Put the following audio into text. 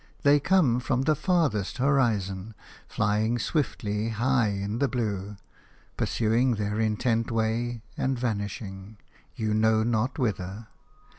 They come from the farthest horizon, flying swiftly high in the blue, pursuing their intent way and vanishing – you know not whither.